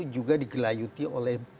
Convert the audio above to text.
juga digelayuti oleh